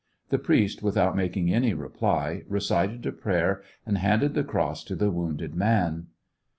The priest, without making any reply, recited a prayer and handed the cross to the wounded man.